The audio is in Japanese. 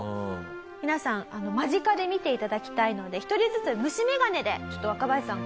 皆さん間近で見て頂きたいので１人ずつ虫眼鏡でちょっと若林さんから。